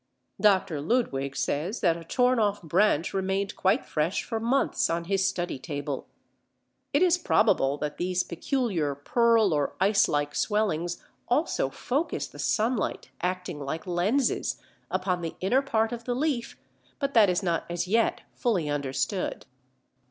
Dr. Ludwig says that a torn off branch remained quite fresh for months on his study table. It is probable that these peculiar pearl or ice like swellings also focus the sunlight, acting like lenses, upon the inner part of the leaf, but that is not as yet fully understood.